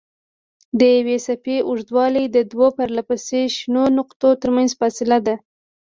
د یوې څپې اوږدوالی د دوو پرلهپسې شنو نقطو ترمنځ فاصله ده.